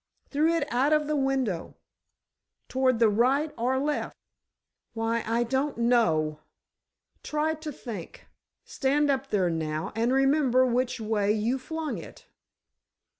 "Threw it out of the window." "Toward the right or left?" "Why, I don't know." "Try to think. Stand up there now, and remember which way you flung it."